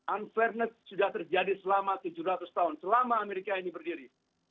unfairness sudah terjadi selama tujuh ratus tahun selama amerika ini berdiri